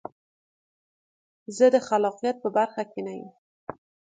زه د خلاقیت په برخه کې نه یم.